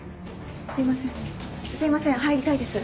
すいませんすいません入りたいです。